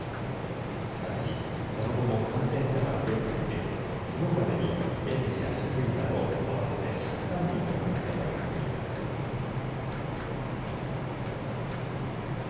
しかし、その後も感染者は増え続け、きのうまでに園児や職員など合わせて１０３人の感染が確認されています。